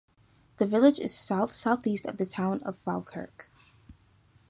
The village is south-southeast of the town of Falkirk.